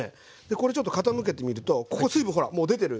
これちょっと傾けてみるとここ水分ほらもう出てる。